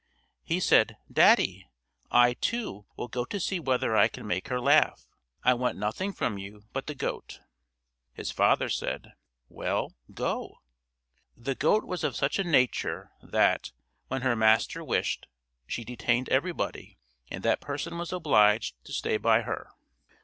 He said: "Daddy! I, too, will go to see whether I can make her laugh. I want nothing from you but the goat." His father said, "Well, go." The goat was of such a nature that, when her master wished, she detained everybody, and that person was obliged to stay by her.